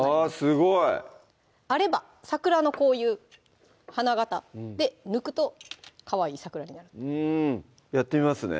すごいあれば桜のこういう花型で抜くとかわいい桜になるやってみますね